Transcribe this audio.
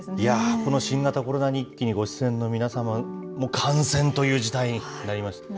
この新型コロナ日記にご出演の皆様も感染という事態になりま